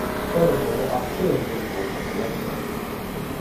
Tronador are clearly visible from the lakefront.